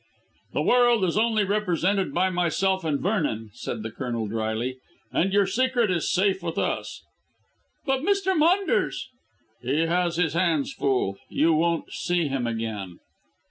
"The world is only represented by myself and Vernon," said the Colonel drily, "and your secret is safe with us." "But Mr. Maunders " "He has his hands full. You won't see him again."